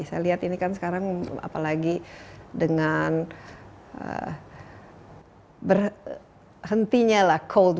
saya lihat ini kan sekarang apalagi dengan berhentinya lah cold